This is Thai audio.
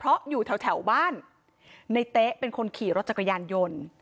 เพราะอยู่แถวบ้านในเต๊ะเป็นคนขี่รถจักรยานยนต์